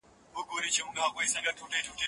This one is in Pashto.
زه پاکوالی نه کوم،